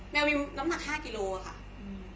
แมววินน้ำหนัก๕กิโลกรัมค่ะ